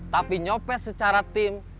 tapi nyopet secara tim